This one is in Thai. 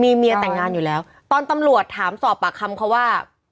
มีเมียแต่งงานอยู่แล้วตอนตำรวจถามสอบปากคำเขาว่า